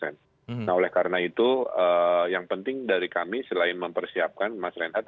nah oleh karena itu yang penting dari kami selain mempersiapkan mas reinhardt